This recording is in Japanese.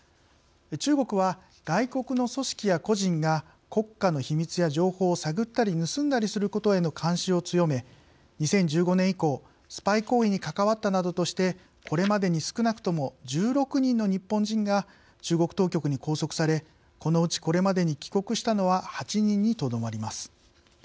中国は外国の組織や個人が国家の秘密や情報を探ったり盗んだりすることへの監視を強め２０１５年以降スパイ行為に関わったなどとしてこれまでに少なくとも１６人の日本人が中国当局に拘束されこのうち、これまでに帰国したのは８人にとどまります。